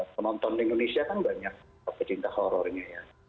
penonton di indonesia kan banyak yang tercinta horrornya